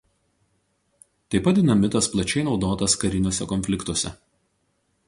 Taip pat dinamitas plačiai naudotas kariniuose konfliktuose.